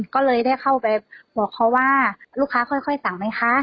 ก็เลยได้เข้าไปบอกเขาว่าลูกค้าค่อยสั่งไหมคะ